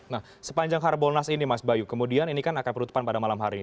nah sepanjang harbolnas ini mas bayu kemudian ini kan akan penutupan pada malam hari ini